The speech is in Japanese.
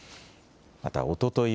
また、おととい